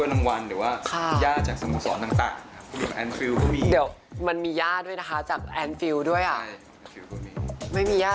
แต่ว่าเก็บแล้วหลังจะเป็นรองเท้า